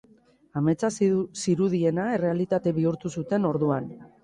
Ametsa zirudiena errealitate bihurtu zuten orduan.